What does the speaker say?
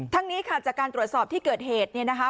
นี้ค่ะจากการตรวจสอบที่เกิดเหตุเนี่ยนะคะ